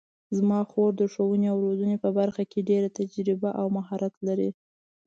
زما خور د ښوونې او روزنې په برخه کې ډېره تجربه او مهارت لري